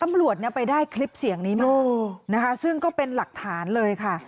ตำรวจไปได้คลิปเสียงนี้มานะคะซึ่งก็เป็นหลักฐานเลยค่ะ